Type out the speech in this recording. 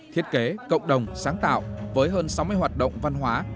thiết kế cộng đồng sáng tạo với hơn sáu mươi hoạt động văn hóa